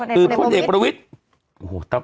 คุณเอกประวิทย์